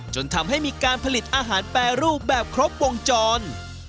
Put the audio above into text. จนทำให้มีการผลิตอาหารแปรรูปแบบครบวงจร